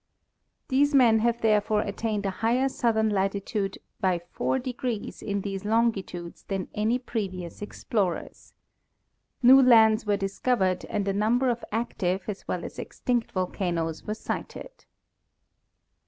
These men have therefore attained a higher southern latitude by four degrees in these longitudes than any previous explorers. New lands were discovered and a number of active as well as extinct volcanoes were sighted.